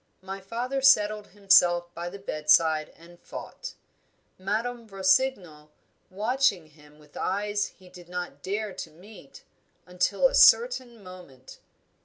My father settled himself by the bedside and fought; Madame Rossignol watching him with eyes he did not dare to meet until a certain moment.